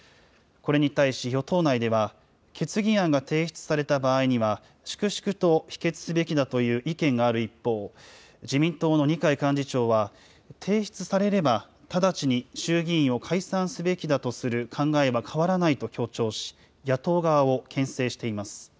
これに対し与党内では、決議案が提出された場合には、粛々と否決すべきだという意見がある一方、自民党の二階幹事長は、提出されれば、直ちに衆議院を解散すべきだとする考えは変わらないと強調し、野党側をけん制しています。